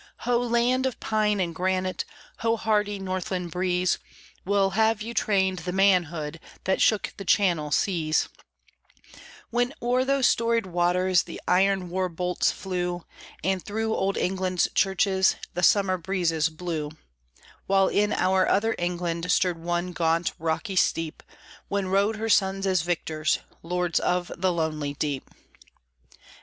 Ho, land of pine and granite! Ho, hardy northland breeze! Well have you trained the manhood That shook the Channel seas, When o'er those storied waters The iron war bolts flew, And through Old England's churches The summer breezes blew; While in our other England Stirred one gaunt rocky steep, When rode her sons as victors, Lords of the lonely deep.